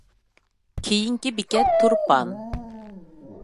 كېيىنكى بېكەت تۇرپان.